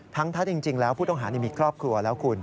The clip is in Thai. ถ้าจริงแล้วผู้ต้องหามีครอบครัวแล้วคุณ